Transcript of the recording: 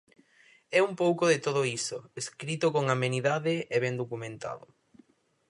É un pouco de todo iso, escrito con amenidade e ben documentado.